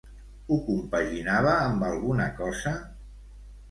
Ho compaginava amb alguna cosa?